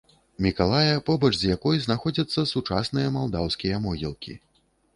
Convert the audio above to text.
Мікалая, побач з якой знаходзяцца сучасныя малдаўскія могілкі.